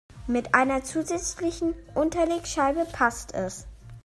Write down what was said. Mit einer zusätzlichen Unterlegscheibe passt es.